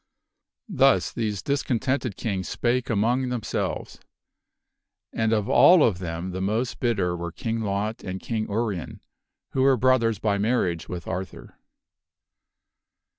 Thus these discontented kings spake among themselves, and of all of them the most bitter were King Lot and King Urien, who were brothers by marriage with Arthur.